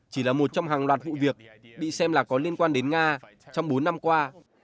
chỉ là một trong hàng loạt vụ việc bị xem là có liên quan đến nga trong bốn năm qua